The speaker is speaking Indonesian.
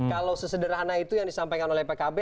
kalau sesederhana itu yang disampaikan oleh pkb